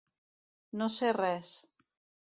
No ser res.